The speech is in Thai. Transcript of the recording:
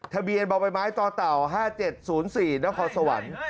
ทะเบียนบ่อใบไม้ต่อเต่า๕๗๐๔นครสวรรค์